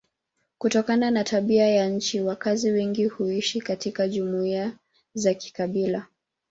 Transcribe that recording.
Kutokana na tabia ya nchi wakazi wengi huishi katika jumuiya za kikabila.